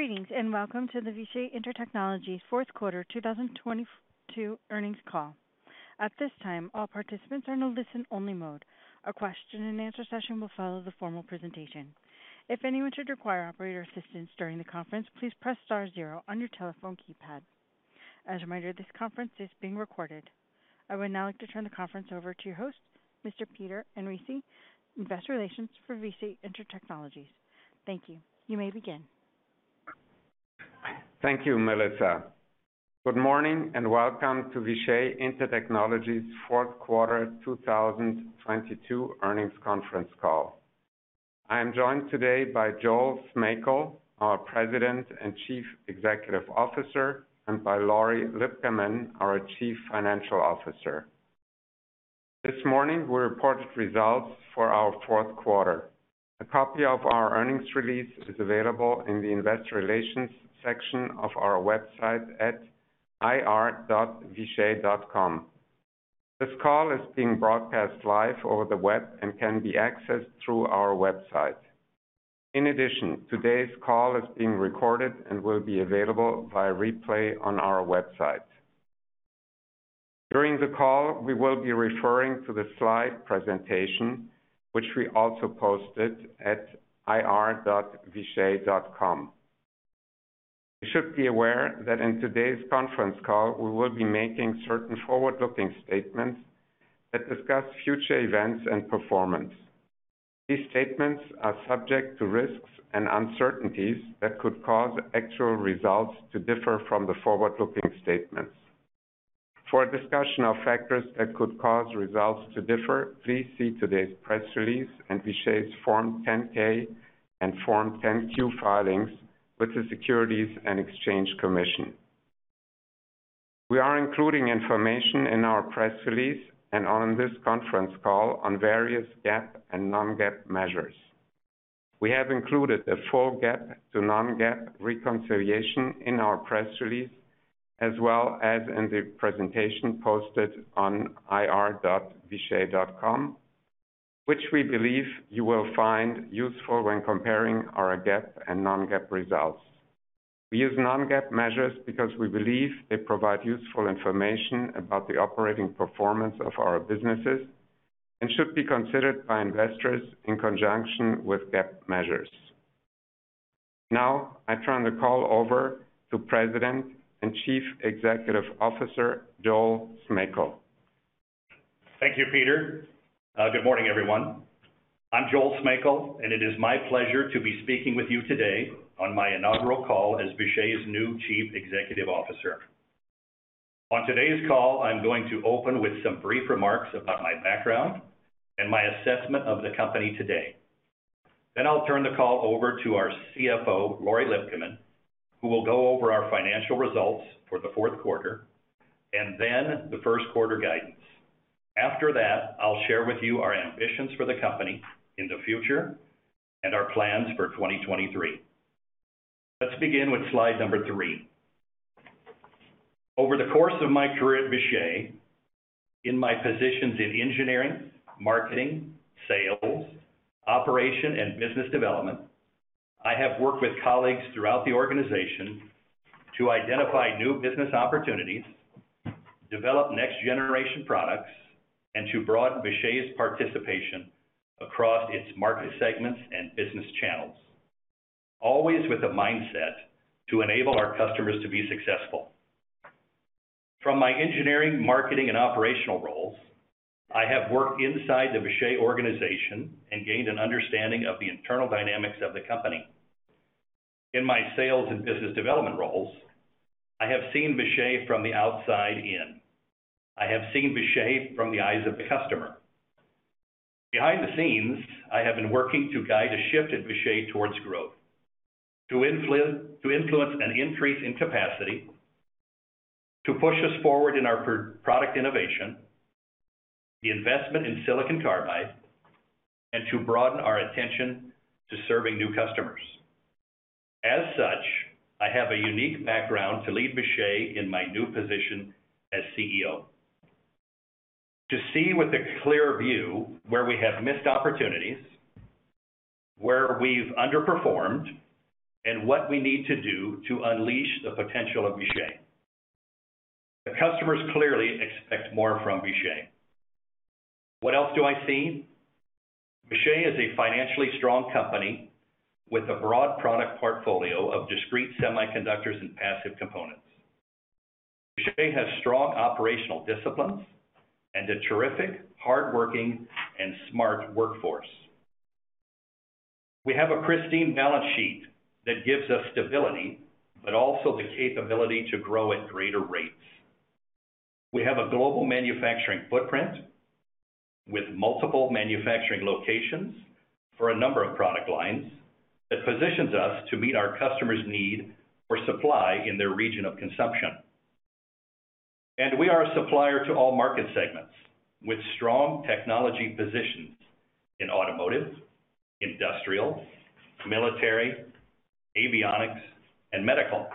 Greetings, welcome to the Vishay Intertechnology's Q4 2022 earnings call. At this time, all participants are in a listen-only mode. A question and answer session will follow the formal presentation. If anyone should require operator assistance during the conference, please press star zero on your telephone keypad. As a reminder, this conference is being recorded. I would now like to turn the conference over to your host, Mr. Peter Henrici, Investor Relations for Vishay Intertechnology. Thank you. You may begin. Thank you, Melissa. Good morning, and welcome to Vishay Intertechnology's Q4 2022 earnings conference call. I am joined today by Joel Smejkal, our President and CEO, and by Lori Lipcaman, our CFO. This morning, we reported results for our Q4. A copy of our earnings release is available in the investor relations section of our website at ir.vishay.com. This call is being broadcast live over the web and can be accessed through our website. In addition, today's call is being recorded and will be available via replay on our website. During the call, we will be referring to the slide presentation, which we also posted at ir.vishay.com. You should be aware that in today's conference call, we will be making certain forward-looking statements that discuss future events and performance. These statements are subject to risks and uncertainties that could cause actual results to differ from the forward-looking statements. For a discussion of factors that could cause results to differ, please see today's press release and Vishay's Form 10-K and Form 10-Q filings with the Securities and Exchange Commission. We are including information in our press release and on this conference call on various GAAP and non-GAAP measures. We have included a full GAAP to non-GAAP reconciliation in our press release, as well as in the presentation posted on ir.vishay.com, which we believe you will find useful when comparing our GAAP and non-GAAP results. We use non-GAAP measures because we believe they provide useful information about the operating performance of our businesses and should be considered by investors in conjunction with GAAP measures. Now I turn the call over to President and CEO, Joel Smejkal. Thank you, Peter. Good morning, everyone. I'm Joel Smejkal. It is my pleasure to be speaking with you today on my inaugural call as Vishay's new chief executive officer. On today's call, I'm going to open with some brief remarks about my background and my assessment of the company today. I'll turn the call over to our CFO, Lori Lipcaman, who will go over our financial results for the Q4 and then the Q1 guidance. After that, I'll share with you our ambitions for the company in the future and our plans for 2023. Let's begin with slide 3. Over the course of my career at Vishay, in my positions in engineering, marketing, sales, operation, and business development, I have worked with colleagues throughout the organization to identify new business opportunities, develop next generation products, and to broaden Vishay's participation across its market segments and business channels, always with a mindset to enable our customers to be successful. From my engineering, marketing, and operational roles, I have worked inside the Vishay organization and gained an understanding of the internal dynamics of the company. In my sales and business development roles, I have seen Vishay from the outside in. I have seen Vishay from the eyes of the customer. Behind the scenes, I have been working to guide a shift at Vishay towards growth, to influence an increase in capacity, to push us forward in our product innovation, the investment in silicon carbide, and to broaden our attention to serving new customers. As such, I have a unique background to lead Vishay in my new position as CEO. To see with a clear view where we have missed opportunities, where we've underperformed, and what we need to do to unleash the potential of Vishay. The customers clearly expect more from Vishay. What else do I see? Vishay is a financially strong company with a broad product portfolio of discrete semiconductors and passive components. Vishay has strong operational disciplines and a terrific, hardworking, and smart workforce. We have a pristine balance sheet that gives us stability, but also the capability to grow at greater rates. We have a global manufacturing footprint with multiple manufacturing locations for a number of product lines that positions us to meet our customers' need for supply in their region of consumption. We are a supplier to all market segments with strong technology positions in automotive, industrial, military, avionics, and medical.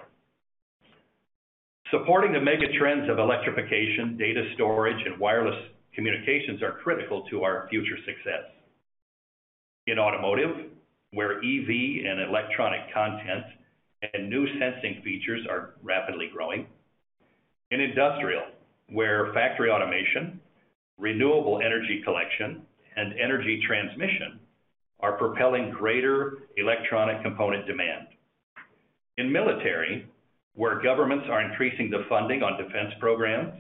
Supporting the mega trends of electrification, data storage, and wireless communications are critical to our future success. In automotive, where EV and electronic content and new sensing features are rapidly growing. In industrial, where factory automation, renewable energy collection, and energy transmission are propelling greater electronic component demand. In military, where governments are increasing the funding on defense programs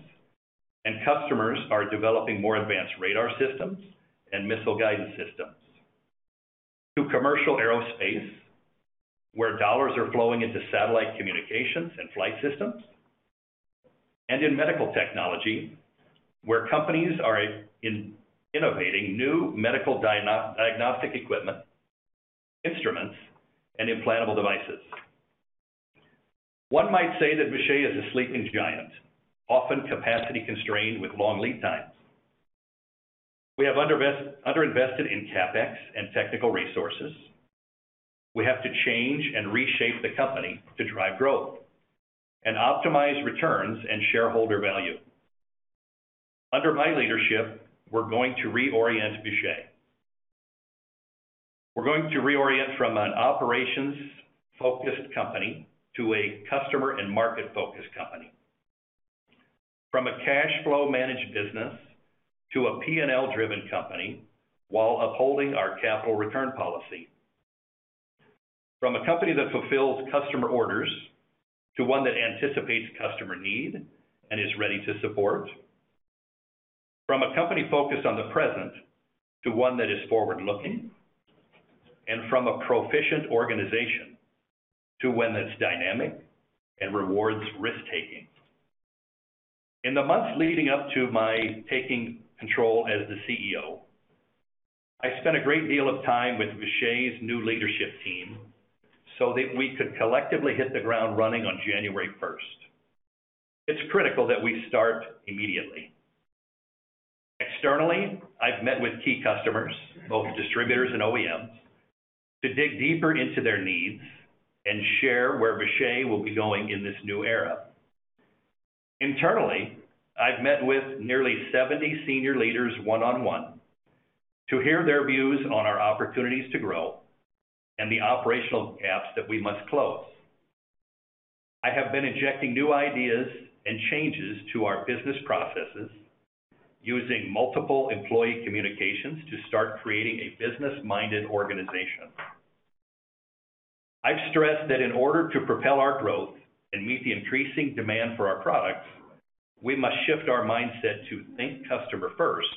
and customers are developing more advanced radar systems and missile guidance systems. To commercial aerospace, where dollars are flowing into satellite communications and flight systems. In medical technology, where companies are innovating new medical diagnostic equipment, instruments, and implantable devices. One might say that Vishay is a sleeping giant, often capacity constrained with long lead times. We have underinvested in CapEx and technical resources. We have to change and reshape the company to drive growth and optimize returns and shareholder value. Under my leadership, we're going to reorient Vishay. We're going to reorient from an operations-focused company to a customer and market-focused company. From a cash flow managed business to a P&L-driven company while upholding our capital return policy. From a company that fulfills customer orders to one that anticipates customer need and is ready to support. From a company focused on the present to one that is forward-looking. From a proficient organization to one that's dynamic and rewards risk-taking. In the months leading up to my taking control as the CEO, I spent a great deal of time with Vishay's new leadership team so that we could collectively hit the ground running on January first. It's critical that we start immediately. Externally, I've met with key customers, both distributors and OEMs, to dig deeper into their needs and share where Vishay will be going in this new era. Internally, I've met with nearly 70 senior leaders one-on-one to hear their views on our opportunities to grow and the operational gaps that we must close. I have been injecting new ideas and changes to our business processes using multiple employee communications to start creating a business-minded organization. I've stressed that in order to propel our growth and meet the increasing demand for our products, we must shift our mindset to think customer first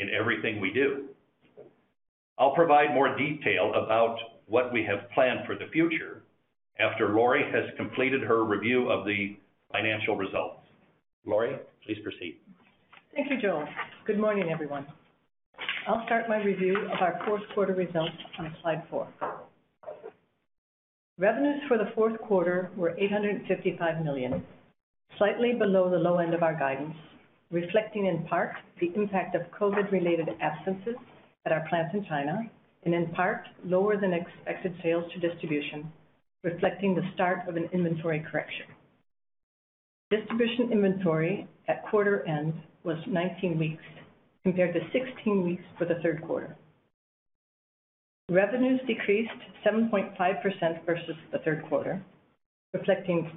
in everything we do. I'll provide more detail about what we have planned for the future after Lori has completed her review of the financial results. Lori, please proceed. Thank you, Joel. Good morning, everyone. I'll start my review of our Q4 results on slide 4. Revenues for the Q4 were $855 million, slightly below the low end of our guidance, reflecting in part the impact of COVID-related absences at our plants in China and, in part, lower than expected sales to distribution, reflecting the start of an inventory correction. Distribution inventory at quarter end was 19 weeks, compared to 16 weeks for the Q3. Revenues decreased 7.5% versus the Q3, reflecting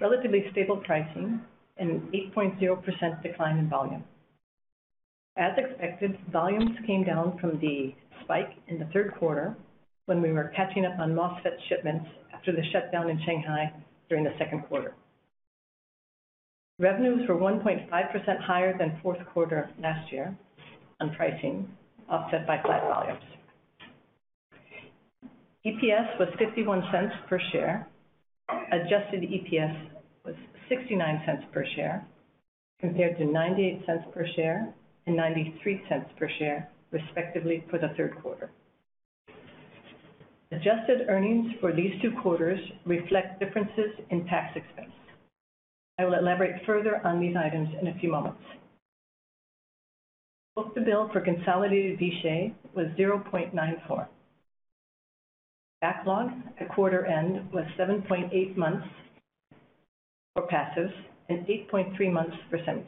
relatively stable pricing and 8.0% decline in volume. As expected, volumes came down from the spike in the Q3 when we were catching up on MOSFET shipments after the shutdown in Shanghai during the Q2. Revenues were 1.5% higher than Q4 last year on pricing, offset by flat volumes. EPS was $0.51 per share. Adjusted EPS was $0.69 per share, compared to $0.98 per share and $0.93 per share, respectively, for the Q3. Adjusted earnings for these two quarters reflect differences in tax expense. I will elaborate further on these items in a few moments. Book-to-bill for consolidated Vishay was 0.94. Backlog at quarter end was 7.8 months for Passives and 8.3 months for Semis.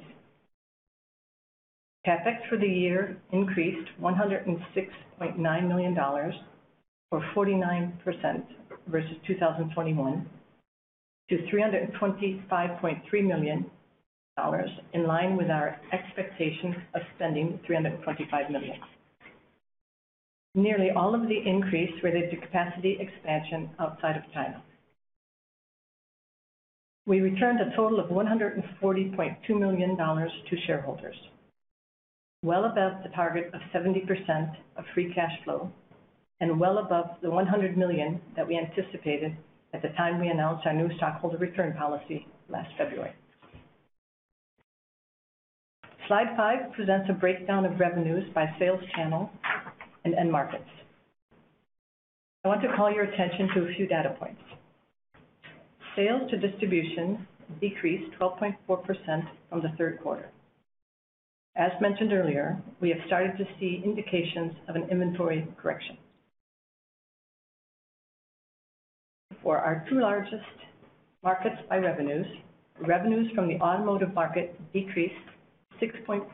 CapEx for the year increased $106.9 million, or 49% versus 2021, to $325.3 million, in line with our expectation of spending $325 million. Nearly all of the increase related to capacity expansion outside of China. We returned a total of $140.2 million to shareholders, well above the target of 70% of free cash flow, and well above the $100 million that we anticipated at the time we announced our new stockholder return policy last February. Slide 5 presents a breakdown of revenues by sales channel and end markets. I want to call your attention to a few data points. Sales to distribution decreased 12.4% from the Q3. As mentioned earlier, we have started to see indications of an inventory correction. For our 2 largest markets by revenues from the automotive market decreased 6.4%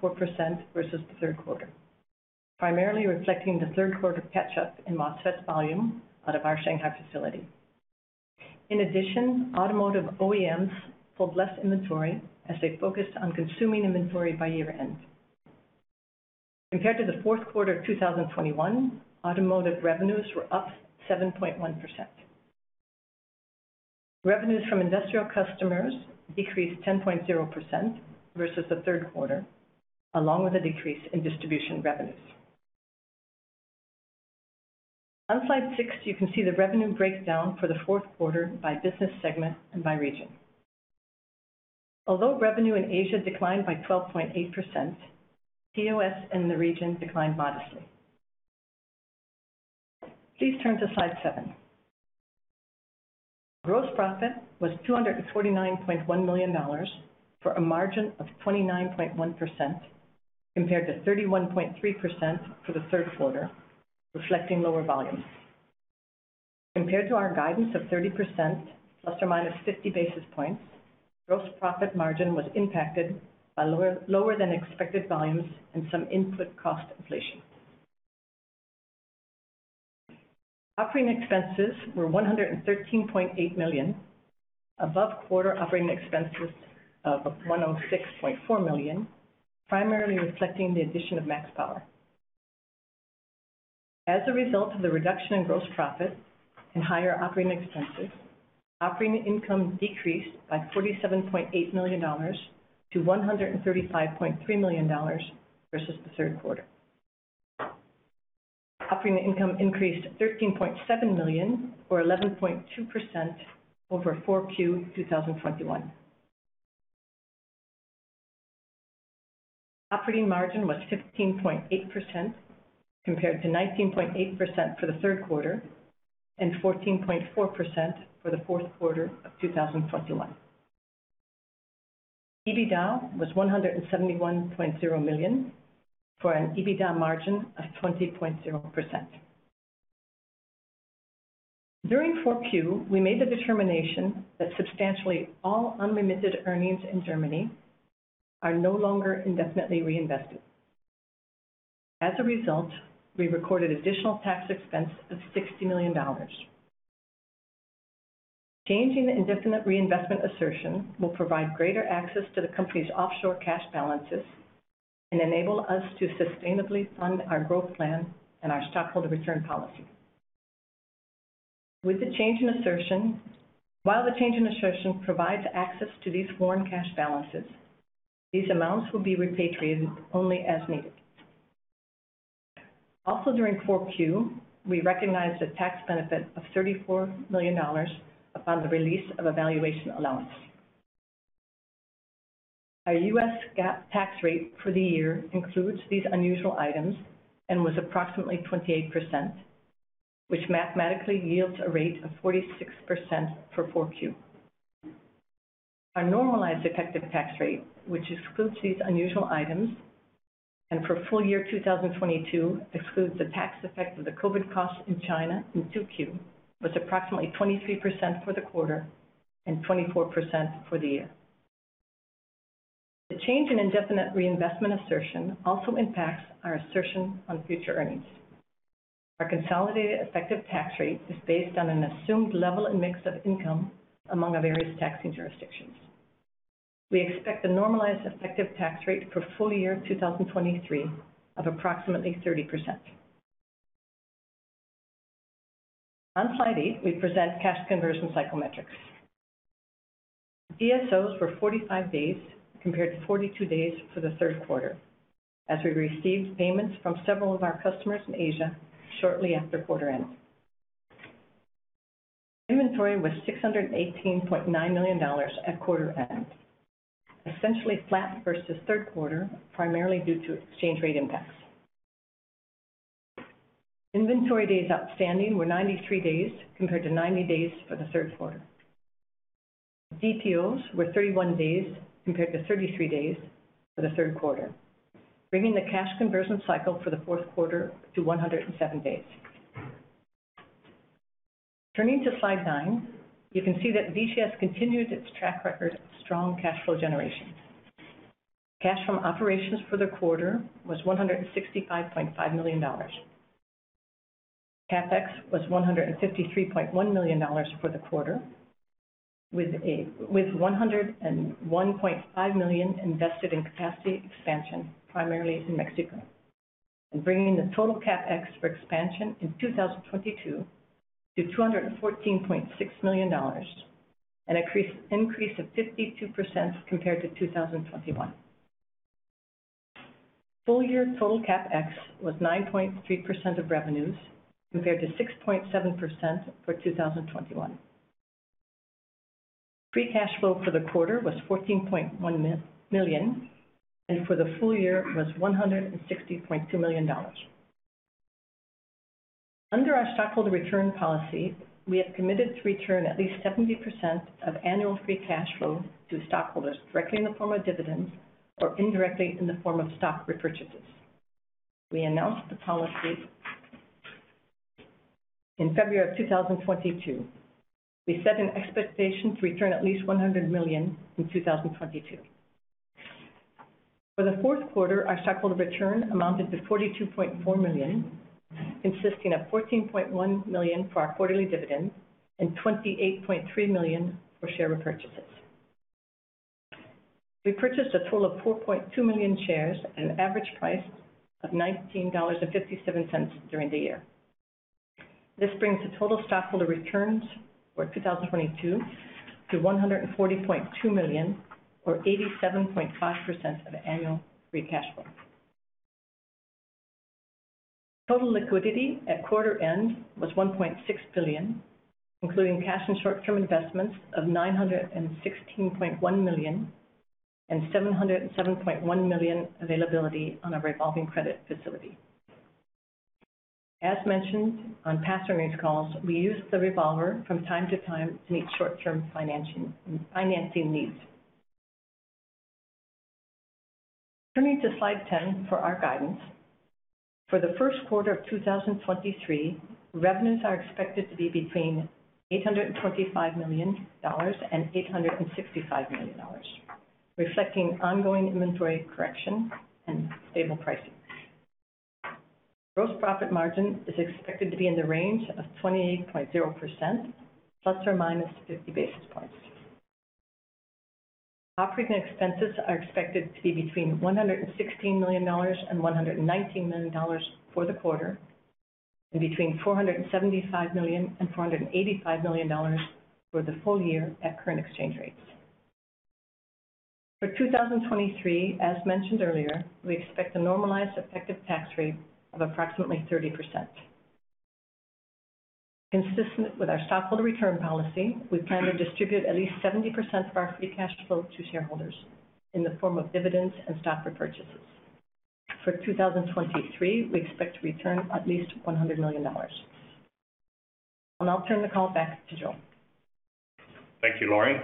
versus the Q3, primarily reflecting the Q3 catch up in MOSFET volume out of our Shanghai facility. In addition, automotive OEMs pulled less inventory as they focused on consuming inventory by year-end. Compared to the Q4 of 2021, automotive revenues were up 7.1%. Revenues from industrial customers decreased 10.0% versus the Q3, along with a decrease in distribution revenues. On slide 6, you can see the revenue breakdown for the Q4 by business segment and by region. Although revenue in Asia declined by 12.8%, POS in the region declined modestly. Please turn to slide 7. Gross profit was $249.1 million for a margin of 29.1% compared to 31.3% for the Q3, reflecting lower volumes. Compared to our guidance of 30% ±50 basis points, gross profit margin was impacted by lower than expected volumes and some input cost inflation. Operating expenses were $113.8 million, above quarter operating expenses of $106.4 million, primarily reflecting the addition of MaxPower. As a result of the reduction in gross profit and higher operating expenses, operating income decreased by $47.8 million to $135.3 million versus the Q3. Operating income increased $13.7 million or 11.2% over 4Q 2021. Operating margin was 15.8% compared to 19.8% for the Q3, and 14.4% for the Q4 of 2021. EBITDA was $171.0 million for an EBITDA margin of 20.0%. During 4Q, we made the determination that substantially all unremitted earnings in Germany are no longer indefinitely reinvested. As a result, we recorded additional tax expense of $60 million. Changing the indefinite reinvestment assertion will provide greater access to the company's offshore cash balances and enable us to sustainably fund our growth plan and our stockholder return policy. The change in assertion provides access to these foreign cash balances, these amounts will be repatriated only as needed. During 4Q, we recognized a tax benefit of $34 million upon the release of a valuation allowance. Our US GAAP tax rate for the year includes these unusual items and was approximately 28%, which mathematically yields a rate of 46% for 4Q. Our normalized effective tax rate, which excludes these unusual items, and for full year 2022 excludes the tax effect of the COVID costs in China in 2Q, was approximately 23% for the quarter and 24% for the year. The change in indefinite reinvestment assertion also impacts our assertion on future earnings. Our consolidated effective tax rate is based on an assumed level and mix of income among our various taxing jurisdictions. We expect a normalized effective tax rate for full year 2023 of approximately 30%. On slide 8, we present cash conversion cycle metrics. DSOs were 45 days compared to 42 days for the Q3, as we received payments from several of our customers in Asia shortly after quarter end. Inventory was $618.9 million at quarter end, essentially flat versus Q3, primarily due to exchange rate impacts. Inventory days outstanding were 93 days compared to 90 days for the Q3. DTOs were 31 days compared to 33 days for the Q3, bringing the cash conversion cycle for the Q4 to 107 days. Turning to slide 9, you can see that VSH continued its track record of strong cash flow generation. Cash from operations for the quarter was $165.5 million. CapEx was $153.1 million for the quarter, with $101.5 million invested in capacity expansion, primarily in Mexico, and bringing the total CapEx for expansion in 2022 to $214.6 million, an increase of 52% compared to 2021. Full year total CapEx was 9.3% of revenues compared to 6.7% for 2021. Free cash flow for the quarter was $14.1 million, and for the full year was $160.2 million. Under our stockholder return policy, we have committed to return at least 70% of annual free cash flow to stockholders directly in the form of dividends or indirectly in the form of stock repurchases. We announced the policy in February of 2022. We set an expectation to return at least $100 million in 2022. For the Q4, our stockholder return amounted to $42.4 million, consisting of $14.1 million for our quarterly dividend and $28.3 million for share repurchases. We purchased a total of 4.2 million shares at an average price of $19.57 during the year. This brings the total stockholder returns for 2022 to $140.2 million or 87.5% of annual free cash flow. Total liquidity at quarter end was $1.6 billion, including cash and short-term investments of $916.1 million and $707.1 million availability on a revolving credit facility. As mentioned on past earnings calls, we use the revolver from time to time to meet short-term financing needs. Turning to slide 10 for our guidance. For the Q1 of 2023, revenues are expected to be between $825 million and $865 million, reflecting ongoing inventory correction and stable pricing. Gross profit margin is expected to be in the range of 28.0% ±50 basis points. Operating expenses are expected to be between $116 million and $119 million for the quarter and between $475 million and $485 million for the full year at current exchange rates. For 2023, as mentioned earlier, we expect a normalized effective tax rate of approximately 30%. Consistent with our stockholder return policy, we plan to distribute at least 70% of our free cash flow to shareholders in the form of dividends and stock repurchases. For 2023, we expect to return at least $100 million. I'll turn the call back to Joel. Thank you, Lori.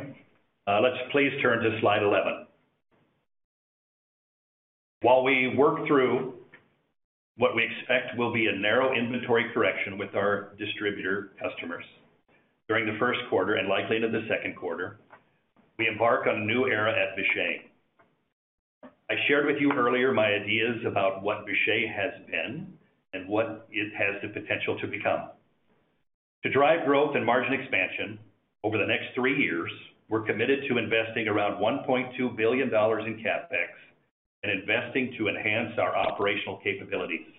Let's please turn to slide 11. While we work through what we expect will be a narrow inventory correction with our distributor customers during the Q1 and likely into the Q2, we embark on a new era at Vishay. I shared with you earlier my ideas about what Vishay has been and what it has the potential to become. To drive growth and margin expansion over the next 3 years, we're committed to investing around $1.2 billion in CapEx and investing to enhance our operational capabilities.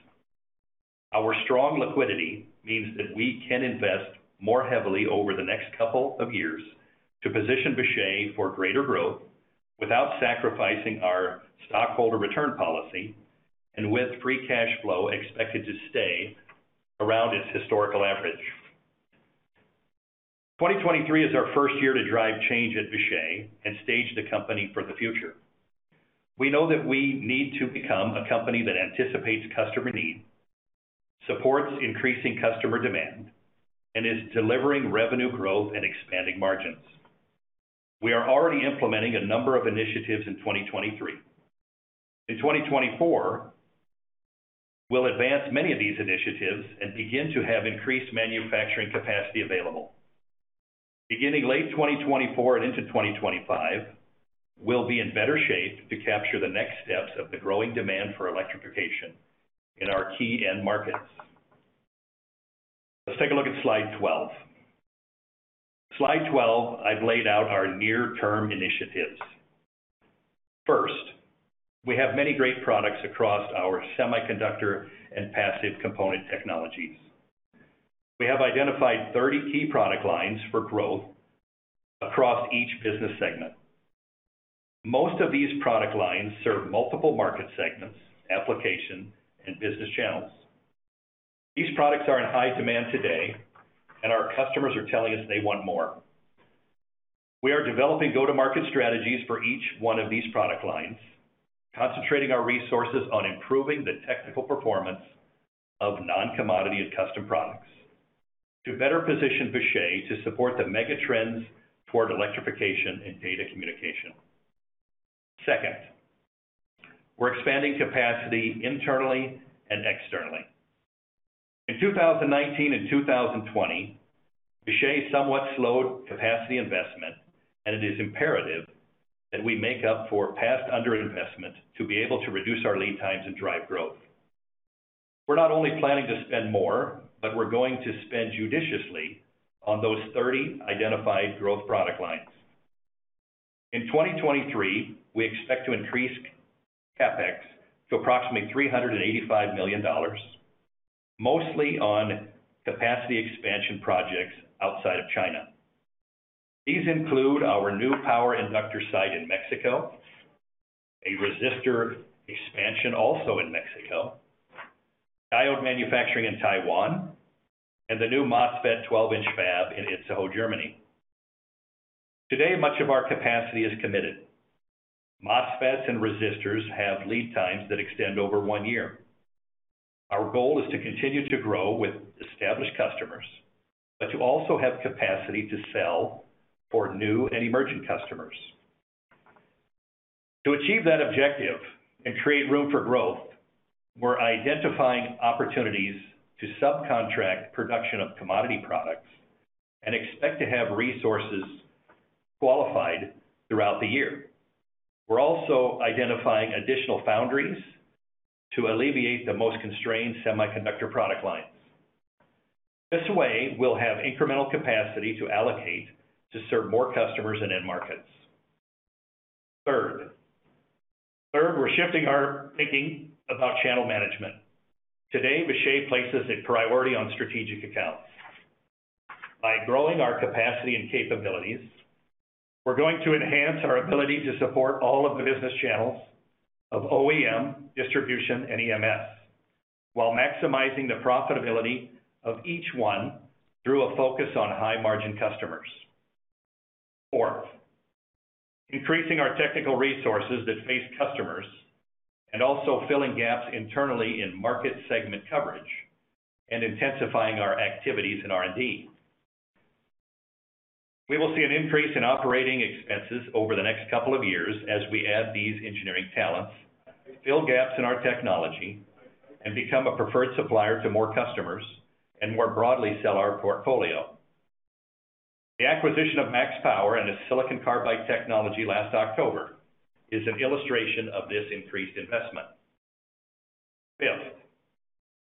Our strong liquidity means that we can invest more heavily over the next couple of years to position Vishay for greater growth without sacrificing our stockholder return policy and with free cash flow expected to stay around its historical average. 2023 is our first year to drive change at Vishay and stage the company for the future. We know that we need to become a company that anticipates customer need, supports increasing customer demand, and is delivering revenue growth and expanding margins. We are already implementing a number of initiatives in 2023. 2024, we'll advance many of these initiatives and begin to have increased manufacturing capacity available. Beginning late 2024 and into 2025, we'll be in better shape to capture the next steps of the growing demand for electrification in our key end markets. Let's take a look at slide 12. Slide 12, I've laid out our near term initiatives. First, we have many great products across our semiconductor and passive component technologies. We have identified 30 key product lines for growth across each business segment. Most of these product lines serve multiple market segments, application, and business channels. These products are in high demand today, and our customers are telling us they want more. We are developing go-to-market strategies for each one of these product lines, concentrating our resources on improving the technical performance of non-commodity and custom products to better position Vishay to support the mega trends toward electrification and data communication. Second, we're expanding capacity internally and externally. In 2019 and 2020, Vishay somewhat slowed capacity investment, and it is imperative that we make up for past under-investment to be able to reduce our lead times and drive growth. We're not only planning to spend more, but we're going to spend judiciously on those 30 identified growth product lines. In 2023, we expect to increase CapEx to approximately $385 million, mostly on capacity expansion projects outside of China. These include our new power inductor site in Mexico, a resistor expansion also in Mexico, diode manufacturing in Taiwan, and the new MOSFET 12-inch fab in Itzehoe, Germany. Today, much of our capacity is committed. MOSFETs and resistors have lead times that extend over 1 year. Our goal is to continue to grow with established customers, but to also have capacity to sell for new and emerging customers. To achieve that objective and create room for growth, we're identifying opportunities to subcontract production of commodity products and expect to have resources qualified throughout the year. We're also identifying additional foundries to alleviate the most constrained semiconductor product lines. This way, we'll have incremental capacity to allocate to serve more customers and end markets. Third. Third, we're shifting our thinking about channel management. Today, Vishay places a priority on strategic accounts. By growing our capacity and capabilities, we're going to enhance our ability to support all of the business channels of OEM distribution and EMS, while maximizing the profitability of each one through a focus on high-margin customers. Fourth, increasing our technical resources that face customers and also filling gaps internally in market segment coverage and intensifying our activities in R&D. We will see an increase in operating expenses over the next couple of years as we add these engineering talents, fill gaps in our technology, and become a preferred supplier to more customers and more broadly sell our portfolio. The acquisition of MaxPower and its silicon carbide technology last October is an illustration of this increased investment. Fifth,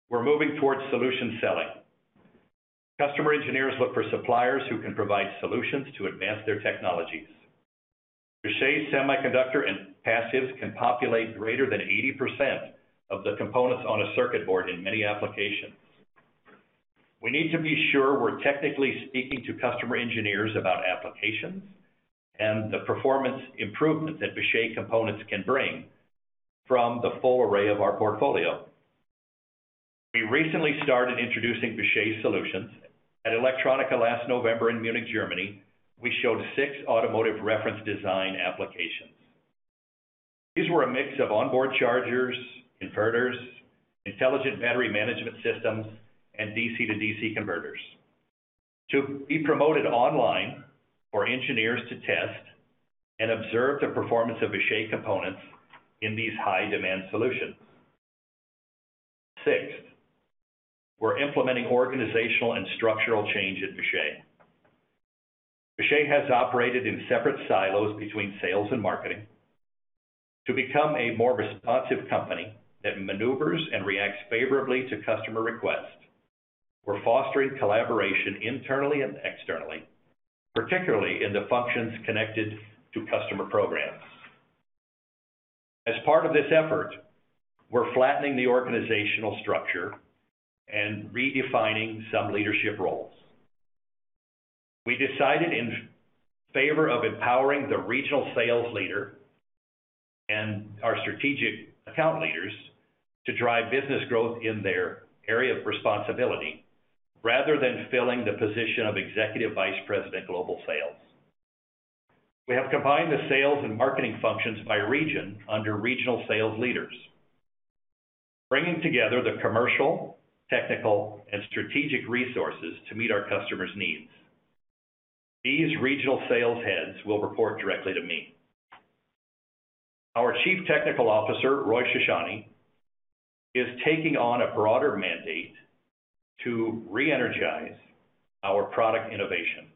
we're moving towards solution selling. Customer engineers look for suppliers who can provide solutions to advance their technologies. Vishay Semiconductor and Passives can populate greater than 80% of the components on a circuit board in many applications. We need to be sure we're technically speaking to customer engineers about applications and the performance improvements that Vishay components can bring from the full array of our portfolio. We recently started introducing Vishay solutions. At electronica last November in Munich, Germany, we showed 6 automotive reference design applications. These were a mix of onboard chargers, inverters, intelligent battery management systems, and DC-to-DC converters to be promoted online for engineers to test and observe the performance of Vishay components in these high-demand solutions. Sixth, we're implementing organizational and structural change at Vishay. Vishay has operated in separate silos between sales and marketing. To become a more responsive company that maneuvers and reacts favorably to customer requests, we're fostering collaboration internally and externally, particularly in the functions connected to customer programs. As part of this effort, we're flattening the organizational structure and redefining some leadership roles. We decided in favor of empowering the regional sales leader and our strategic account leaders to drive business growth in their area of responsibility, rather than filling the position of EVP of Global Sales. We have combined the sales and marketing functions by region under regional sales leaders, bringing together the commercial, technical, and strategic resources to meet our customers' needs. These regional sales heads will report directly to me. Our Chief Technical Officer, Roy Shoshani, is taking on a broader mandate to re-energize our product innovation,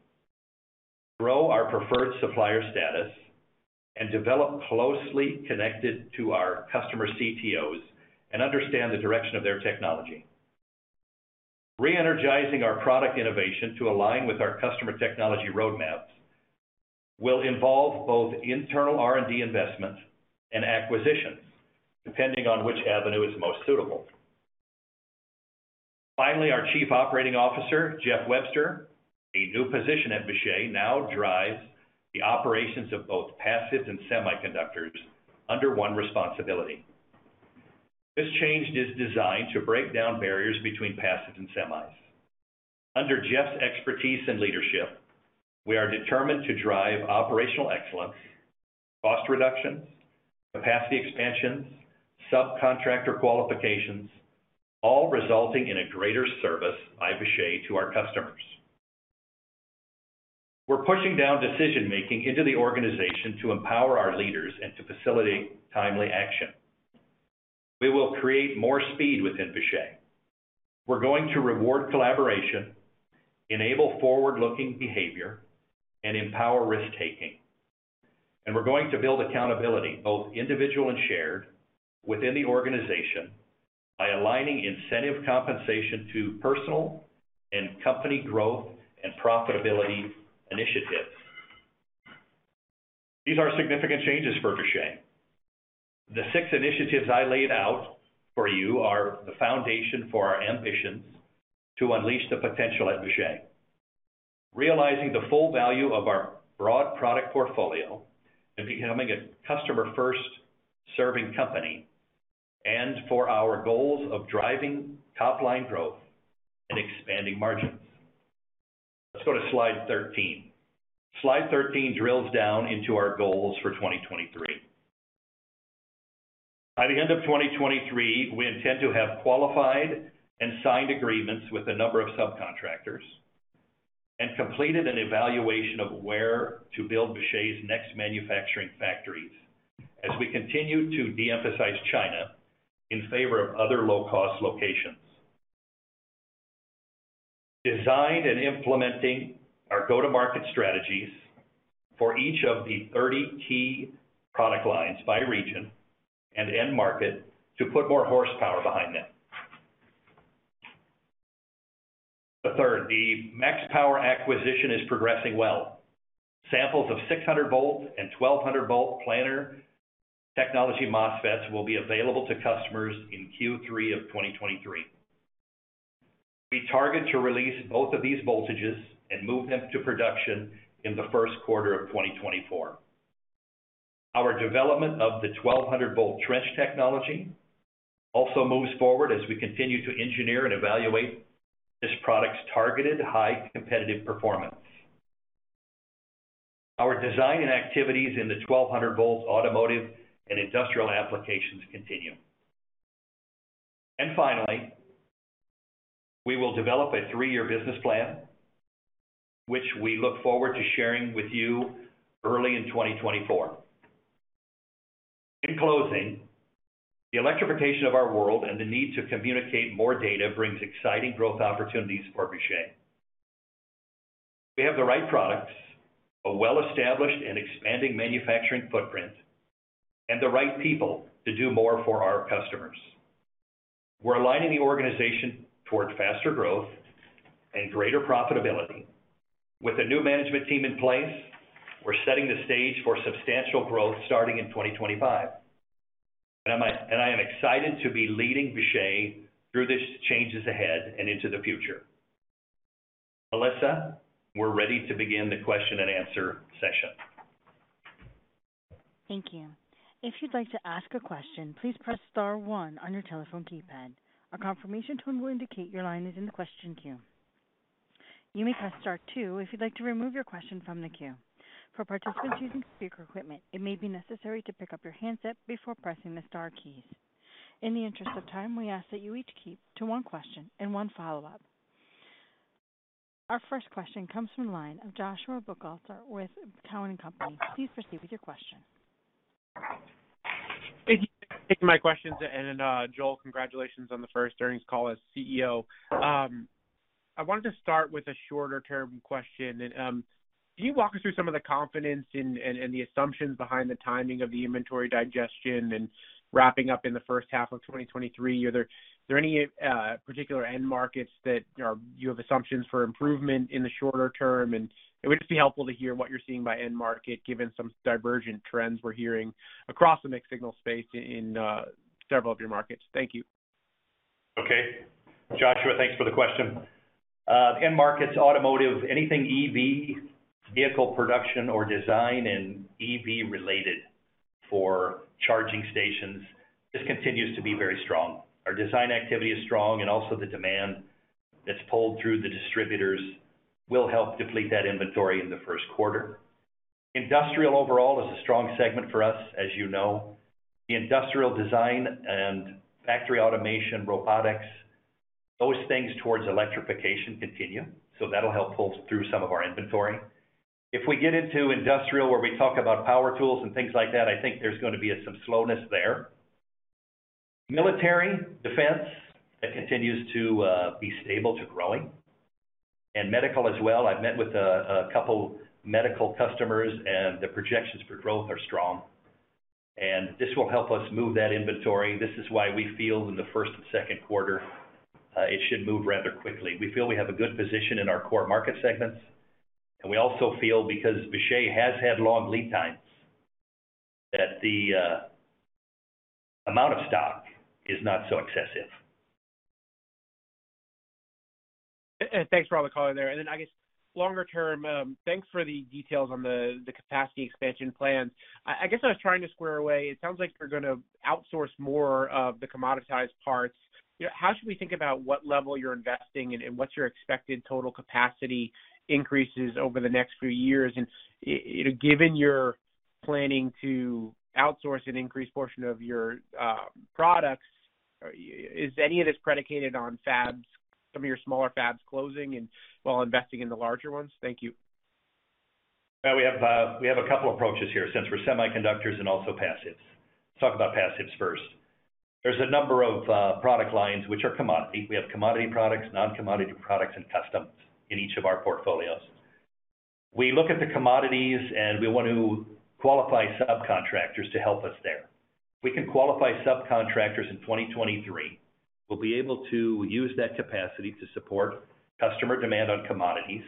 grow our preferred supplier status, and develop closely connected to our customer CTOs and understand the direction of their technology. Re-energizing our product innovation to align with our customer technology roadmaps will involve both internal R&D investments and acquisitions, depending on which avenue is most suitable. Our COO, Jeff Webster, a new position at Vishay, now drives the operations of both Passives and Semiconductors under one responsibility. This change is designed to break down barriers between Passives and Semis. Under Jeff's expertise and leadership, we are determined to drive operational excellence, cost reductions, capacity expansions, subcontractor qualifications, all resulting in a greater service by Vishay to our customers. We're pushing down decision-making into the organization to empower our leaders and to facilitate timely action. We will create more speed within Vishay. We're going to reward collaboration, enable forward-looking behavior, and empower risk-taking. We're going to build accountability, both individual and shared, within the organization by aligning incentive compensation to personal and company growth and profitability initiatives. These are significant changes for Vishay. The six initiatives I laid out for you are the foundation for our ambitions to unleash the potential at Vishay, realizing the full value of our broad product portfolio and becoming a customer-first serving company, for our goals of driving top-line growth and expanding margins. Let's go to slide 13. Slide 13 drills down into our goals for 2023. By the end of 2023, we intend to have qualified and signed agreements with a number of subcontractors and completed an evaluation of where to build Vishay's next manufacturing factories as we continue to de-emphasize China in favor of other low-cost locations. Implementing our go-to-market strategies for each of the 30 key product lines by region and end market to put more horsepower behind them. The third, the MaxPower acquisition is progressing well. Samples of 600 V and 1200 V planar technology MOSFETs will be available to customers in Q3 of 2023. We target to release both of these voltages and move them to production in the Q1 of 2024. Our development of the 1200 V trench technology also moves forward as we continue to engineer and evaluate this product's targeted high competitive performance. Our design and activities in the 1200 V automotive and industrial applications continue. Finally, we will develop a three-year business plan, which we look forward to sharing with you early in 2024. In closing, the electrification of our world and the need to communicate more data brings exciting growth opportunities for Vishay. We have the right products, a well-established and expanding manufacturing footprint, and the right people to do more for our customers. We're aligning the organization towards faster growth and greater profitability. With a new management team in place, we're setting the stage for substantial growth starting in 2025. I am excited to be leading Vishay through this changes ahead and into the future. Melissa, we're ready to begin the question and answer session. Thank you. If you'd like to ask a question, please press star one on your telephone keypad. A confirmation tone will indicate your line is in the question queue. You may press star two if you'd like to remove your question from the queue. For participants using speaker equipment, it may be necessary to pick up your handset before pressing the star keys. In the interest of time, we ask that you each keep to one question and one follow-up. Our first question comes from the line of Joshua Buchalter with Cowen and Company. Please proceed with your question. Thank you for taking my questions. Joel, congratulations on the first earnings call as CEO. I wanted to start with a shorter-term question. Can you walk us through some of the confidence and the assumptions behind the timing of the inventory digestion and wrapping up in the first half of 2023? Are there any particular end markets that you have assumptions for improvement in the shorter term? It would just be helpful to hear what you're seeing by end market, given some divergent trends we're hearing across the mixed signal space in several of your markets. Thank you. Okay. Joshua, thanks for the question. End markets, automotive, anything EV, vehicle production or design and EV-related for charging stations, this continues to be very strong. Our design activity is strong and also the demand that's pulled through the distributors will help deplete that inventory in the Q1. Industrial overall is a strong segment for us, as you know. The industrial design and factory automation, robotics, those things towards electrification continue, so that'll help pull through some of our inventory. If we get into industrial, where we talk about power tools and things like that, I think there's going to be some slowness there. Military, defense, that continues to be stable to growing. Medical as well. I've met with a couple medical customers and the projections for growth are strong, and this will help us move that inventory. This is why we feel in the first and Q2, it should move rather quickly. We feel we have a good position in our core market segments, and we also feel because Vishay has had long lead times, that the amount of stock is not so excessive. Thanks for all the color there. I guess longer term, thanks for the details on the capacity expansion plan. I guess I was trying to square away, it sounds like you're gonna outsource more of the commoditized parts. You know, how should we think about what level you're investing and what's your expected total capacity increases over the next few years? You know, given you're planning to outsource an increased portion of your products, is any of this predicated on some of your smaller fabs closing while investing in the larger ones? Thank you. Yeah, we have a couple approaches here since we're semiconductors and also passives. Let's talk about passives first. There's a number of product lines which are commodity. We have commodity products, non-commodity products, and customs in each of our portfolios. We look at the commodities. We want to qualify subcontractors to help us there. We can qualify subcontractors in 2023. We'll be able to use that capacity to support customer demand on commodities,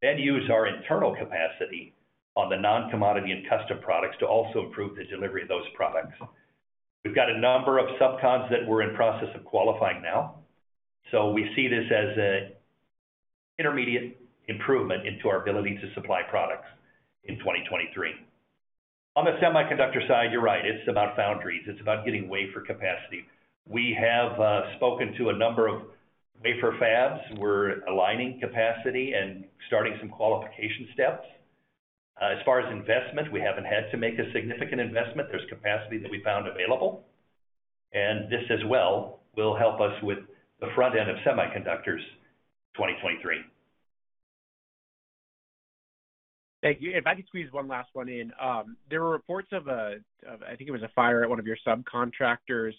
then use our internal capacity on the non-commodity and custom products to also improve the delivery of those products. We've got a number of subcons that we're in process of qualifying now. We see this as an intermediate improvement into our ability to supply products in 2023. On the semiconductor side, you're right, it's about foundries, it's about getting wafer capacity. We have spoken to a number of wafer fabs. We're aligning capacity and starting some qualification steps. As far as investment, we haven't had to make a significant investment. There's capacity that we found available, and this as well will help us with the front end of semiconductors 2023. Thank you. If I could squeeze one last one in. There were reports of a fire at one of your subcontractors,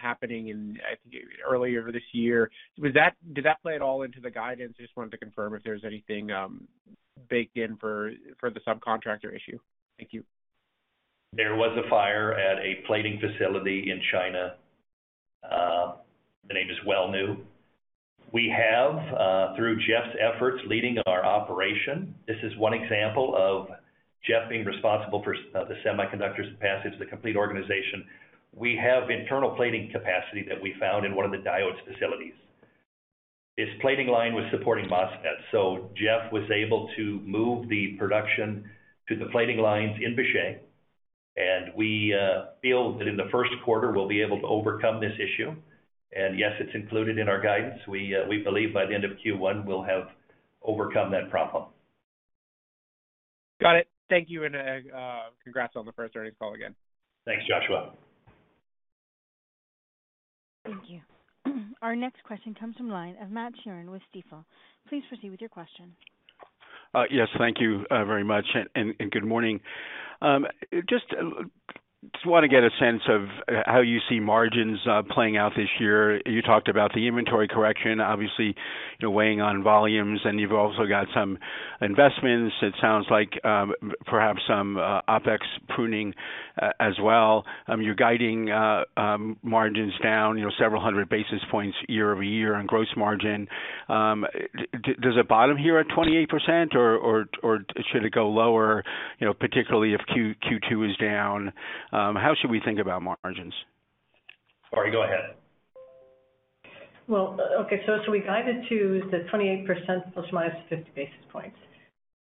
happening in, I think earlier this year. Did that play at all into the guidance? I just wanted to confirm if there was anything baked in for the subcontractor issue. Thank you. There was a fire at a plating facility in China. The name is well-known. We have, through Jeff's efforts leading our operation, this is one example of Jeff being responsible for the semiconductors capacity of the complete organization. We have internal plating capacity that we found in one of the diodes facilities. This plating line was supporting MOSFET, so Jeff was able to move the production to the plating lines in Vishay, and we feel that in the Q1 we'll be able to overcome this issue. Yes, it's included in our guidance. We believe by the end of Q1, we'll have overcome that problem. Got it. Thank you, and congrats on the first earnings call again. Thanks, Joshua. Thank you. Our next question comes from line of Matt Sheerin with Stifel. Please proceed with your question. Yes, thank you very much and good morning. Just wanna get a sense of how you see margins playing out this year. You talked about the inventory correction, obviously, you're weighing on volumes, and you've also got some investments. It sounds like perhaps some OpEx pruning as well. You're guiding margins down, you know, several hundred basis points year-over-year on gross margin. Does it bottom here at 28% or should it go lower, you know, particularly if Q2 is down? How should we think about margins? Lori, go ahead. Well, okay. We guided to the 28% ±50 basis points.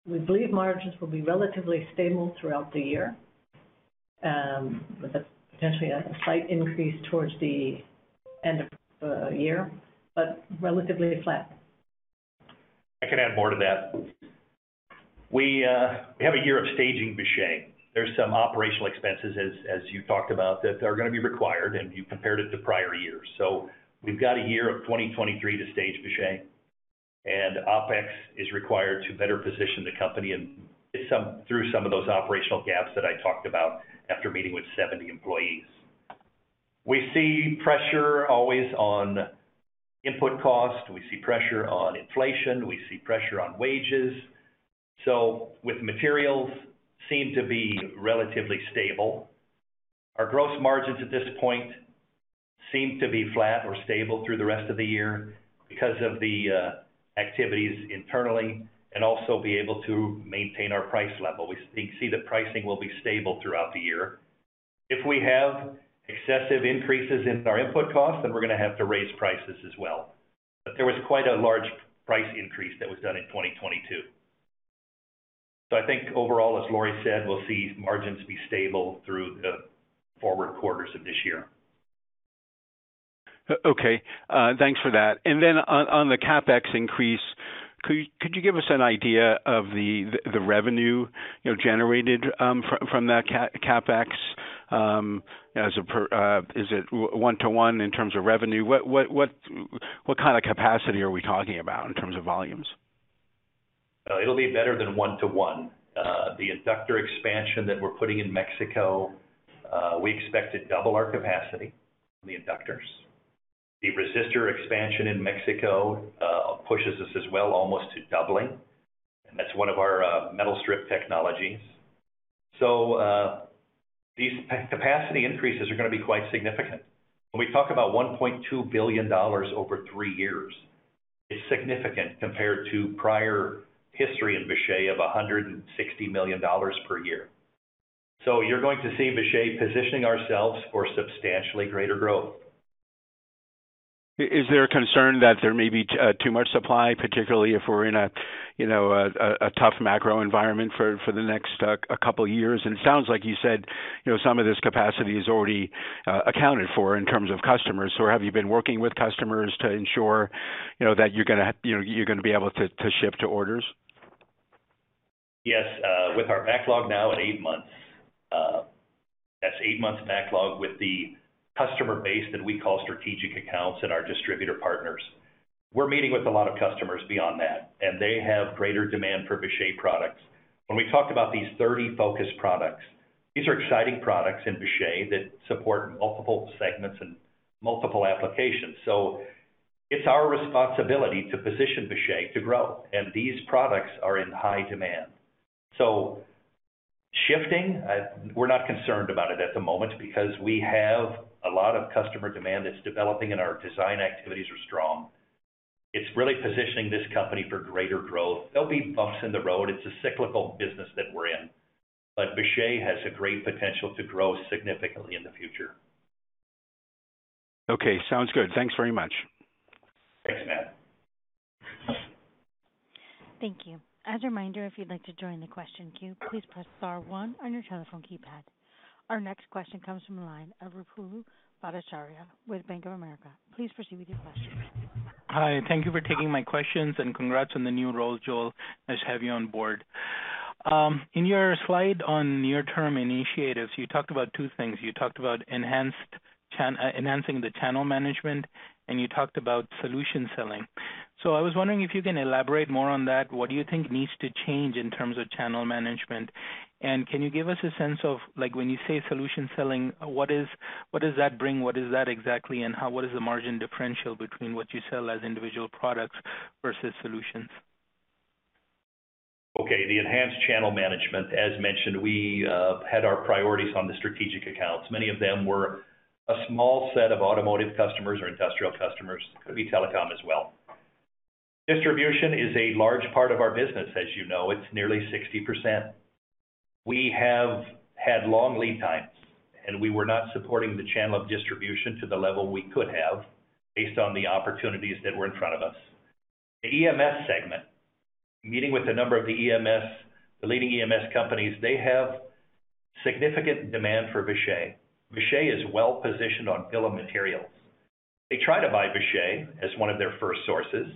We believe margins will be relatively stable throughout the year, with a potentially a slight increase towards the end of year, but relatively flat. I can add more to that. We have a year of staging Vishay. There's some operational expenses as you talked about, that are gonna be required, and you compared it to prior years. We've got a year of 2023 to stage Vishay, and OpEx is required to better position the company through some of those operational gaps that I talked about after meeting with 70 employees. We see pressure always on input costs. We see pressure on inflation. We see pressure on wages. With materials seem to be relatively stable. Our gross margins at this point seem to be flat or stable through the rest of the year because of the activities internally and also be able to maintain our price level. We see the pricing will be stable throughout the year. If we have excessive increases in our input costs, then we're gonna have to raise prices as well. There was quite a large price increase that was done in 2022. I think overall, as Lori said, we'll see margins be stable through the forward quarters of this year. Okay. Thanks for that. Then on the CapEx increase, could you give us an idea of the revenue, you know, generated from that CapEx, is it one to one in terms of revenue? What kind of capacity are we talking about in terms of volumes? It'll be better than 1 to 1. The inductor expansion that we're putting in Mexico, we expect to double our capacity on the inductors. The resistor expansion in Mexico, pushes us as well almost to doubling, and that's one of our metal strip technologies. These capacity increases are gonna be quite significant. When we talk about $1.2 billion over 3 years, it's significant compared to prior history in Vishay of $160 million per year. You're going to see Vishay positioning ourselves for substantially greater growth. Is there a concern that there may be too much supply, particularly if we're in a, you know, a tough macro environment for the next couple years? It sounds like you said, you know, some of this capacity is already accounted for in terms of customers. Have you been working with customers to ensure, you know, that you're gonna, you know, you're gonna be able to ship to orders? Yes. With our backlog now at 8 months, that's 8 months backlog with the customer base that we call strategic accounts and our distributor partners. We're meeting with a lot of customers beyond that. They have greater demand for Vishay products. When we talk about these 30 focused products, these are exciting products in Vishay that support multiple segments and multiple applications. It's our responsibility to position Vishay to grow, and these products are in high demand. Shifting, we're not concerned about it at the moment because we have a lot of customer demand that's developing, and our design activities are strong. It's really positioning this company for greater growth. There'll be bumps in the road. It's a cyclical business that we're in. Vishay has a great potential to grow significantly in the future. Okay. Sounds good. Thanks very much. Thanks, Matt. Thank you. As a reminder, if you'd like to join the question queue, please press star one on your telephone keypad. Our next question comes from the line of Ruplu Bhattacharya with Bank of America. Please proceed with your question. Hi, thank you for taking my questions, and congrats on the new role, Joel. Nice to have you on board. In your slide on near-term initiatives, you talked about two things. You talked about enhancing the channel management, and you talked about solution selling. I was wondering if you can elaborate more on that. What do you think needs to change in terms of channel management? Can you give us a sense of, like, when you say solution selling, what does that bring? What is that exactly, and what is the margin differential between what you sell as individual products versus solutions? Okay. The enhanced channel management, as mentioned, we had our priorities on the strategic accounts. Many of them were a small set of automotive customers or industrial customers. Could be telecom as well. Distribution is a large part of our business, as you know. It's nearly 60%. We have had long lead times, and we were not supporting the channel of distribution to the level we could have based on the opportunities that were in front of us. The EMS segment, meeting with a number of the EMS, the leading EMS companies, they have significant demand for Vishay. Vishay is well-positioned on bill of materials. They try to buy Vishay as one of their first sources,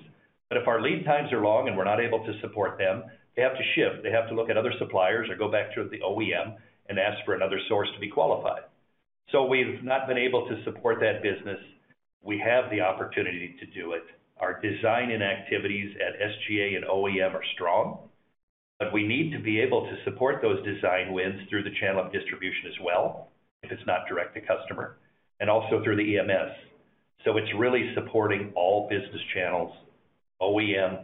but if our lead times are long and we're not able to support them, they have to ship. They have to look at other suppliers or go back to the OEM and ask for another source to be qualified. We've not been able to support that business. We have the opportunity to do it. Our design and activities at SGA and OEM are strong, but we need to be able to support those design wins through the channel of distribution as well, if it's not direct to customer, and also through the EMS. It's really supporting all business channels, OEM,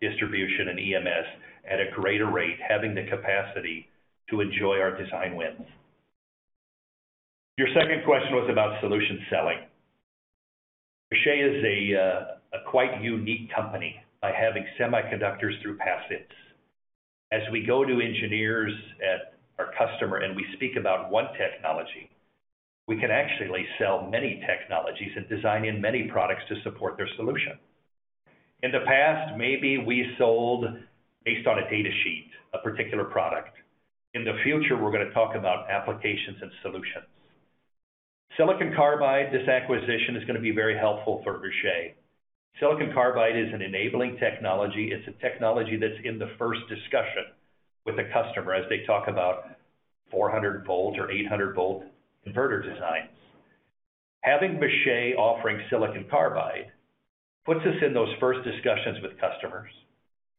distribution, and EMS at a greater rate, having the capacity to enjoy our design wins. Your second question was about solution selling. Vishay is a quite unique company by having semiconductors through passives. As we go to engineers at our customer and we speak about one technology, we can actually sell many technologies and design in many products to support their solution. In the past, maybe we sold based on a data sheet, a particular product. In the future, we're gonna talk about applications and solutions. Silicon carbide, this acquisition is gonna be very helpful for Vishay. Silicon carbide is an enabling technology. It's a technology that's in the first discussion with a customer as they talk about 400 V or 800 V inverter designs. Having Vishay offering silicon carbide puts us in those first discussions with customers,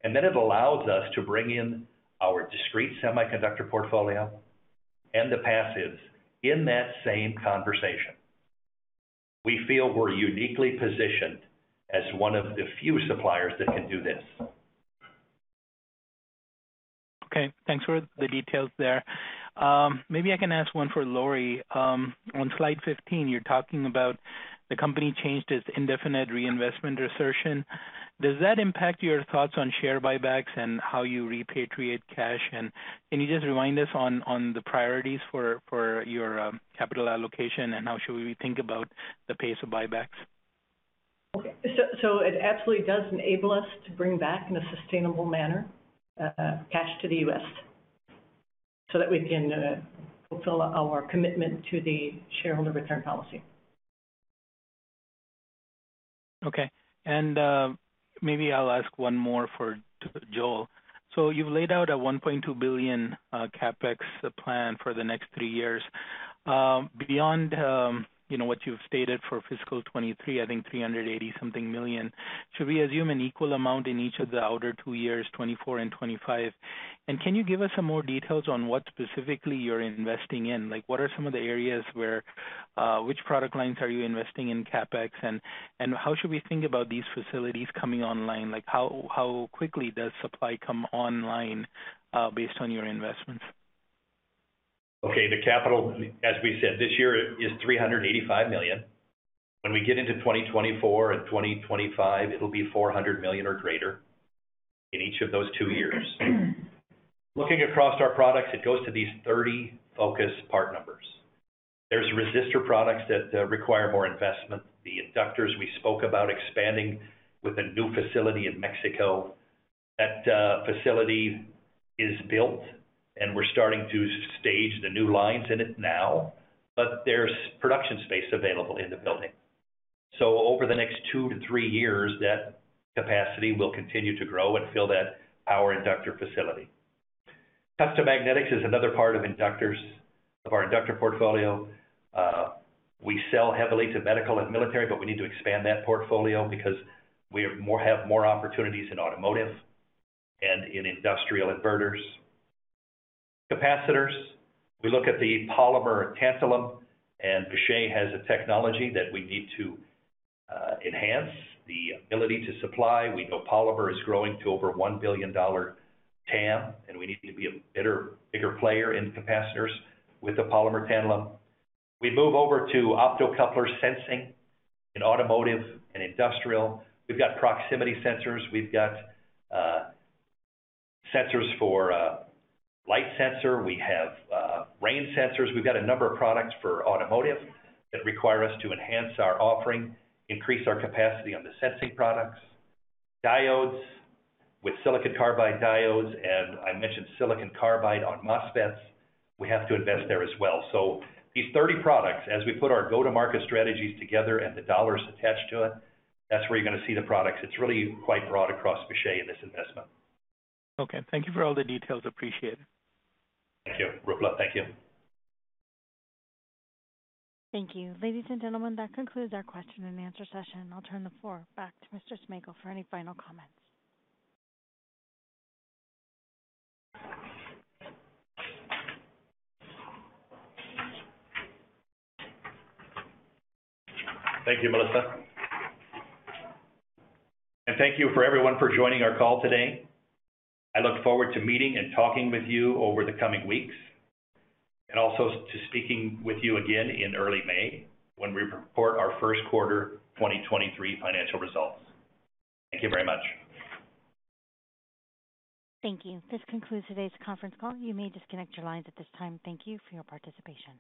and then it allows us to bring in our discrete semiconductor portfolio and the passives in that same conversation. We feel we're uniquely positioned as one of the few suppliers that can do this. Okay. Thanks for the details there. Maybe I can ask one for Lori. On slide 15, you're talking about the company changed its indefinite reinvestment reassertion. Does that impact your thoughts on share buybacks and how you repatriate cash? Can you just remind us on the priorities for your capital allocation, and how should we think about the pace of buybacks? Okay. It absolutely does enable us to bring back in a sustainable manner, cash to the U.S. so that we can fulfill our commitment to the shareholder return policy. Okay. Maybe I'll ask one more for Joel. You've laid out a $1.2 billion CapEx plan for the next three years. Beyond, you know, what you've stated for fiscal 2023, I think $380 something million, should we assume an equal amount in each of the outer two years, 2024 and 2025? Can you give us some more details on what specifically you're investing in? Like, what are some of the areas where, which product lines are you investing in CapEx? How should we think about these facilities coming online? Like, how quickly does supply come online, based on your investments? Okay. The capital, as we said, this year is $385 million. When we get into 2024 and 2025, it'll be $400 million or greater in each of those two years. Looking across our products, it goes to these 30 focus part numbers. There's resistor products that require more investment. The inductors we spoke about expanding with a new facility in Mexico. That facility is built, and we're starting to stage the new lines in it now, but there's production space available in the building. Over the next 2-3 years, that capacity will continue to grow and fill that power inductor facility. Custom magnetics is another part of inductors, of our inductor portfolio. We sell heavily to medical and military, but we need to expand that portfolio because we have more opportunities in automotive and in industrial inverters. Capacitors, we look at the polymer tantalum, and Vishay has a technology that we need to enhance the ability to supply. We know polymer is growing to over $1 billion TAM, and we need to be a better, bigger player in capacitors with the polymer tantalum. We move over to optocoupler sensing in automotive and industrial. We've got proximity sensors. We've got sensors for light sensor. We have rain sensors. We've got a number of products for automotive that require us to enhance our offering, increase our capacity on the sensing products. Diodes with silicon carbide diodes, and I mentioned silicon carbide on MOSFETs, we have to invest there as well. These 30 products, as we put our go-to-market strategies together and the dollars attached to it, that's where you're gonna see the products. It's really quite broad across Vishay in this investment. Okay. Thank you for all the details. Appreciate it. Thank you. Ruplu, thank you. Thank you. Ladies and gentlemen, that concludes our question and answer session. I'll turn the floor back to Mr. Smejkal for any final comments. Thank you, Melissa. Thank you for everyone for joining our call today. I look forward to meeting and talking with you over the coming weeks and also to speaking with you again in early May when we report our Q1 2023 financial results. Thank you very much. Thank you. This concludes today's conference call. You may disconnect your lines at this time. Thank you for your participation.